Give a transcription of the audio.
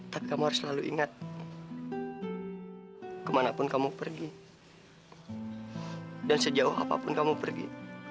tapi kamu harus selalu ingat kemanapun kamu pergi dan sejauh apapun kamu pergi